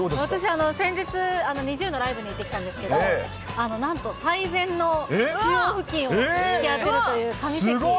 私、先日、ＮｉｚｉＵのライブに行ってきたんですけど、なんと最前の中央付近を引き当てるという神席。